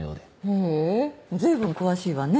へぇ随分詳しいわね。